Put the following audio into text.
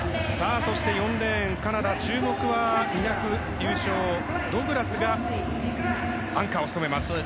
そして４レーン、カナダ注目は２００ｍ優勝のドグラスがアンカーを務めます。